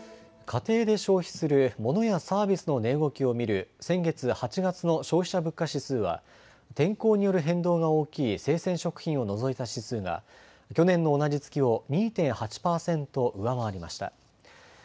家庭で消費するモノやサービスの値動きを見る先月・８月の消費者物価指数は、天候による変動が大きい生鮮食品を除いた指数が、去年の同じ月を２．８％上回りました。